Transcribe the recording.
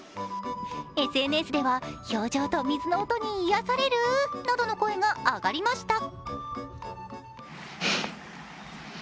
ＳＮＳでは表情と水の音に癒やされるなどの声が上がりました。